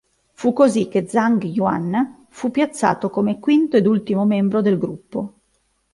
Fu così che Zhang Yuan fu piazzato come quinto ed ultimo membro del gruppo.